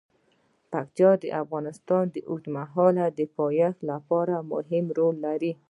پکتیکا د افغانستان د اوږدمهاله پایښت لپاره مهم رول لري.